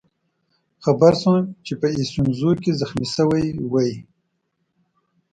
خبر شوم چې په ایسونزو کې زخمي شوی وئ.